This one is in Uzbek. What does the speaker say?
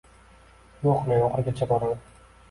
Yo‘q, men oxirigacha boraman.